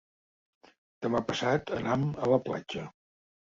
Demà passat anam a la platja.